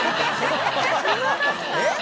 えっ？